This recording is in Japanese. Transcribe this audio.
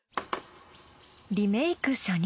リメイク初日。